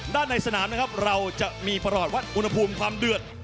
ในสนามนะครับเราจะมีประหลอดวัดอุณหภูมิความเดือด